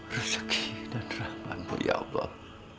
rezeki dan rahman mu ya allah